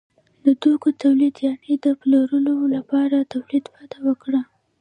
د توکو تولید یعنې د پلورلو لپاره تولید وده وکړه.